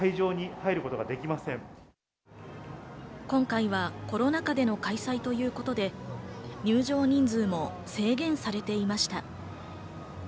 今回はコロナ禍での開催ということで入場人数も制限されていました。